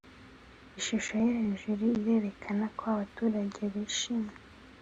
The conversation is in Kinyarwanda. Ishusho yo hejuru irerekana ko abaturage bishimye